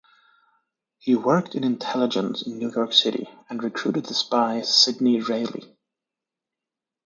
He worked in intelligence in New York City and recruited the spy Sidney Reilly.